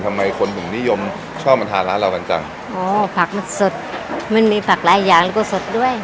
ทำไมคนถึงนิยมชอบมาทานร้านเรากันจังอ๋อผักมันสดมันมีผักหลายอย่างแล้วก็สดด้วย